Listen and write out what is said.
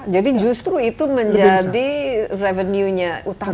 jadi justru itu menjadi revenue nya utamanya